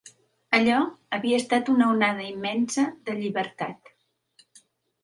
Allò havia estat una onada immensa de llibertat.